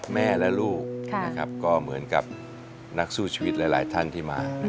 แม่และลูกนะครับก็เหมือนกับนักสู้ชีวิตหลายท่านที่มา